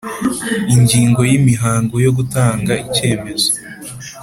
Ingingo ya Imihango yo gutanga icyemezo